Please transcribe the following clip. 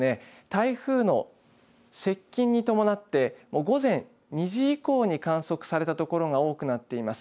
台風の接近に伴って午前２時以降に観測されたところが多くなっています。